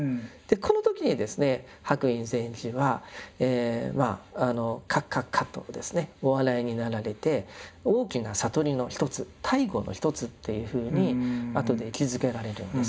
この時にですね白隠禅師はまあカッカッカとお笑いになられて大きな悟りのひとつ「大悟のひとつ」っていうふうにあとで位置づけられるんです。